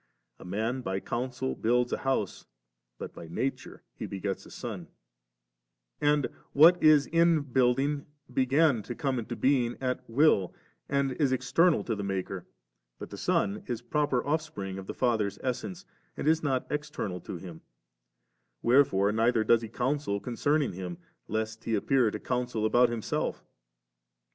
A man by counsel builds a house, but by nature he begets a son ; and what is in building began to come into being at will, and is external to the maker ; but the son is proper offspring of the father's es sence, and is not external to him ; wherefore neither does he counsel concerning him, lest he appeal to counsel about himself.